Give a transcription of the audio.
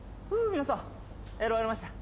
皆さん選ばれました